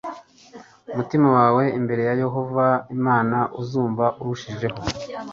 mutima wawe imbere ya yehova imana uzumva urushijeho